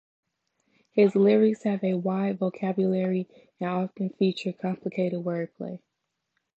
His lyrics have a wide vocabulary and often feature complicated wordplay.